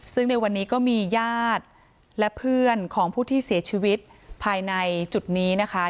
ซึ่งในวันนี้ก็มีญาติและเพื่อนของผู้ที่เสียชีวิตภายในจุดนี้นะคะ